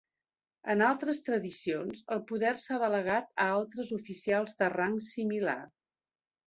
En altres tradicions, el poder s'ha delegat a altres oficials de rang similar.